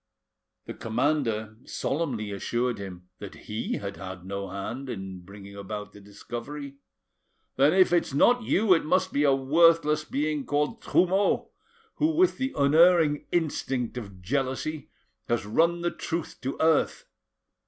The commander solemnly assured him that he had had no hand in bringing about the discovery. 'Then if it's not you, it must be a worthless being called Trumeau, who, with the unerring instinct of jealousy, has run the truth to earth.